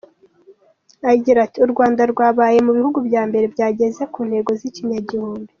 Agira ati “U Rwanda rwabaye mu bihugu bya mbere byageze ku ntego z’ikinyagihumbi.